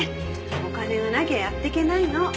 お金がなきゃやってけないの。